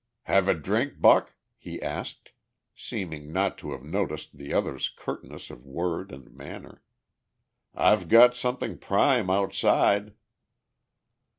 "Have a drink, Buck?" he asked, seeming not to have noticed the other's curtness of word and manner. "I've got something prime outside."